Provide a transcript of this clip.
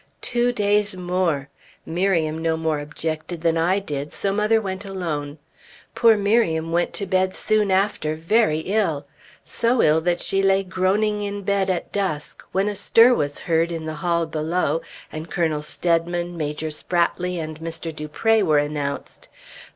Two days more! Miriam no more objected than I did, so mother went alone. Poor Miriam went to bed soon after, very ill. So ill that she lay groaning in bed at dusk, when a stir was heard in the hall below, and Colonel Steadman, Major Spratley, and Mr. Dupré were announced.